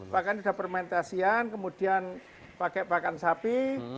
pakan sudah fermentasian kemudian pakai pakan sapi